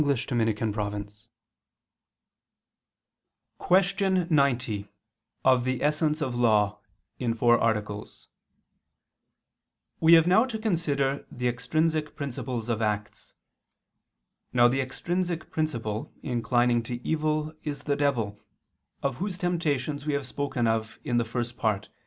90 108) ________________________ QUESTION 90 OF THE ESSENCE OF LAW (In Four Articles) We have now to consider the extrinsic principles of acts. Now the extrinsic principle inclining to evil is the devil, of whose temptations we have spoken in the First Part (Q.